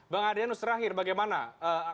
bang adrianus terakhir bagaimana